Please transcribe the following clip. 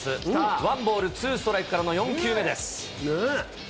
ワンボールツーストライクからの４球目です。